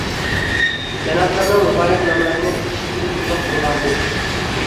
جانابلىرىنىڭ مۇبارەك ناملىرىنى ئىشىتكىلى ئۇزاق بولغانىدى.